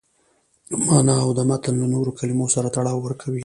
مانا او د متن له نورو کلمو سره تړاو ورکوي.